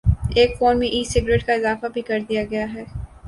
ایک فون میں "e cigarette" کا اضافہ بھی کر دیا گیا ہے